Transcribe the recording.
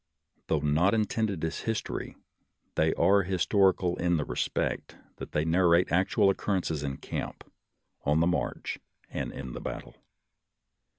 Though not intended as history, they are historical in the respect that they narrate actual occurrences in camp, on the march, and in the battle.